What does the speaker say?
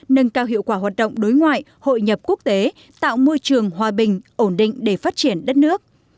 nâng cao hiệu quả hoạt động đối ngoại hội nhập quốc tế tạo môi trường hòa bình ổn định để phát triển đất nước